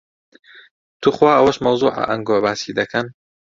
توخوا ئەوەش مەوزوعە ئەنگۆ باسی دەکەن.